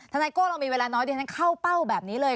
นายโก้เรามีเวลาน้อยดิฉันเข้าเป้าแบบนี้เลย